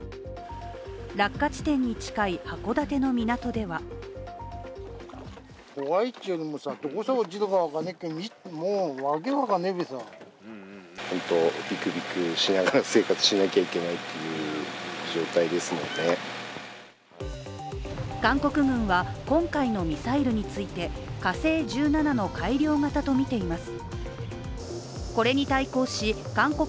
落下地点に近い函館の港では韓国軍は今回のミサイルについて火星１７の改良型とみています。